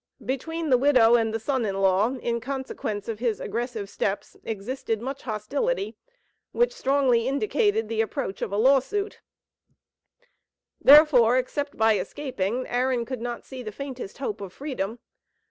Between the widow and the son in law, in consequence of his aggressive steps, existed much hostility, which strongly indicated the approach of a law suit; therefore, except by escaping, Aaron could not see the faintest hope of freedom.